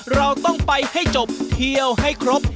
เราต้องไปให้จบเที่ยวให้ครบ